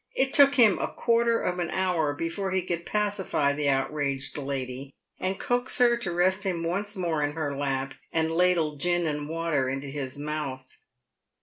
It took him a quarter of an hour before he could pacify the outraged lady and coax her to rest him once more in her lap, and ladle gin and water into his mouth.